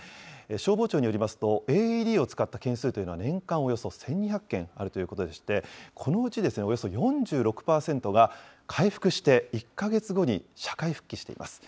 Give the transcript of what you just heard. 消防庁によりますと、ＡＥＤを使った件数というのは年間およそ１２００件あるということでして、このうちおよそ４６％が回復して、１か月後に社会復帰しています。